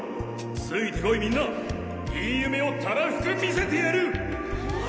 ついてこいみんないい夢をたらふく見せてやる！